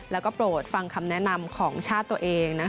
แล้วก็โปรดฟังคำแนะนำของชาติตัวเอง